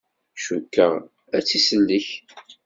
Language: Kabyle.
Cukkeɣ ad tt-isellek.